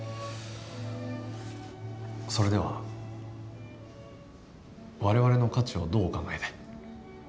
それでは我々の価値をどうお考えで？